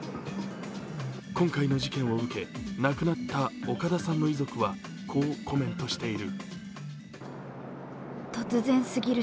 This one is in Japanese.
今回の事件を受け、亡くなった岡田さんの遺族は、こうコメントしている。